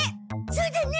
そうだね！